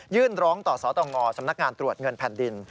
ร้องต่อสตงสำนักงานตรวจเงินแผ่นดิน